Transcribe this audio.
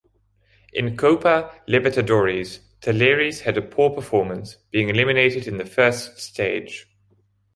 In Copa Libertadores, Talleres had a poor performance, being eliminated in the first stage.